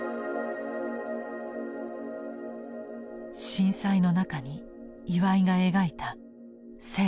震災の中に岩井が描いた「生と死」。